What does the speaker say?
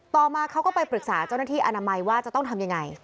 ต่อมาเขาก็ไปปรึกษาเจ้าหน้าที่อนามัยว่าจะต้องทำยังไง